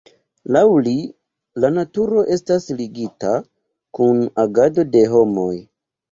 Laŭ li, la naturo estas ligita kun agado de homoj.